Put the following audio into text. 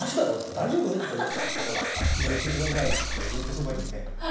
大丈夫？」とか言われたんですけど教えて下さいって言ってずっとそばにいて。